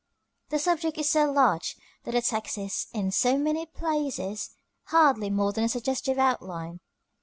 The subject is so large that the text is, in many places, hardly more than a suggestive outline.